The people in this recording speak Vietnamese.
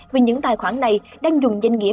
vì những tài khoản này đang dùng danh nghĩa